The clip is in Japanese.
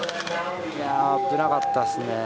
危なかったっすね。